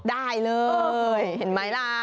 ได้เลยเห็นไหมล่ะ